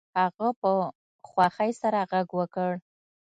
هغه په خوښۍ سره غږ وکړ